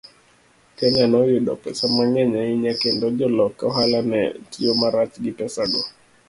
Kenya noyudo pesa mang'eny ahinya, kendo jolok ohala ne tiyo marach gi pesago.